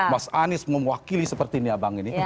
mas anies mewakili seperti ini abang ini